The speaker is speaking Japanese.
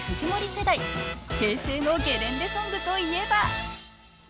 ［平成のゲレンデソングといえば］